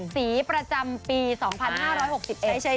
สีประจำปี๒๕๖๑ใช่ไหม